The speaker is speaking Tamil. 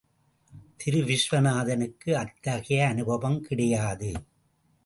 திரு விஸ்வநாதனுக்கு அத்தகைய அனுபவம் கிடையாது.